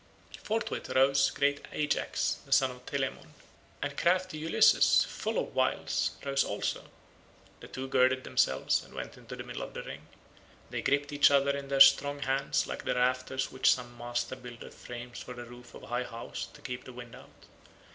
Forthwith uprose great Ajax the son of Telamon, and crafty Ulysses, full of wiles, rose also. The two girded themselves and went into the middle of the ring. They gripped each other in their strong hands like the rafters which some master builder frames for the roof of a high house to keep the wind out.